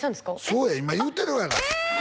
そうや今言うてるがなえ！